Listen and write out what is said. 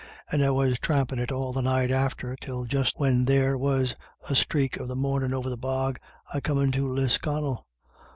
And I was trampin* it all the night after, till just when there was a sthrake of the mornin' over the bog, I come into Lisconnel.